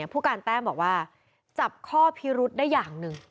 ผู้การแต้มบอกว่าจับข้อพิรุษได้อย่างหนึ่ง